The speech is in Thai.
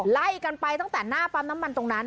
ไล่กันไปตั้งแต่หน้าปั๊มน้ำมันตรงนั้น